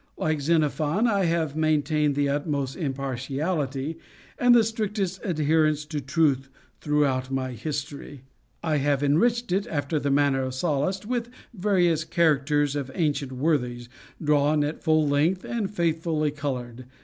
Like Xenophon, I have maintained the utmost impartiality, and the strictest adherence to truth throughout my history. I have enriched it, after the manner of Sallust, with various characters of ancient worthies, drawn at full length and faithfully colored.